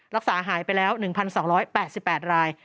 รักษาหายไปแล้ว๑๒๘๘ราย